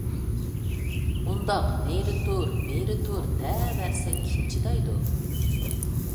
— ئۇنداق نېرى تۇر، بېرى تۇر دەۋەرسە، كىم چىدايدۇ؟